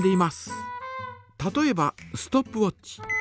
例えばストップウォッチ。